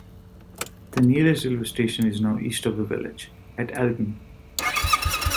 The nearest railway station is now east of the village, at Alton.